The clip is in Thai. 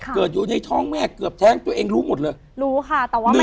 เกิดอยู่ในท้องแม่เกือบแท้งตัวเองรู้หมดเลยรู้ค่ะแต่ว่า